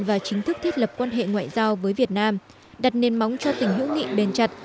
và chính thức thiết lập quan hệ ngoại giao với việt nam đặt nền móng cho tình hữu nghị bền chặt